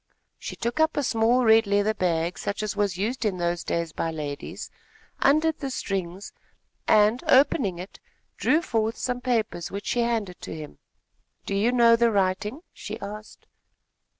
She took up a small, red leather bag, such as was used in those days by ladies, undid the strings and, opening it, drew forth some papers, which she handed to him. "Do you know the writing?" she asked.